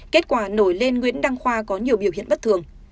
kết quả nổi lên nguyễn đăng khoa có nhiều biểu hiện bất thường